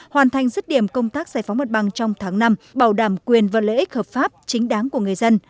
hoàn thành dứt điểm công tác giải phóng mặt bằng trong tháng năm bảo đảm quyền và lợi ích hợp pháp chính đáng của người dân